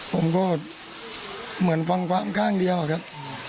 ผมก็เหมือนฟังความข้างเดียวอะครับ